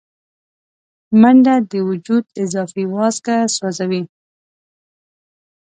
منډه د وجود اضافي وازګه سوځوي